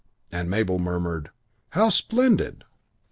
and Mabel murmured, "How splendid!"